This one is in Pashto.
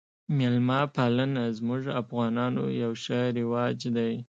میلمه پالنه زموږ افغانانو یو ښه رواج دی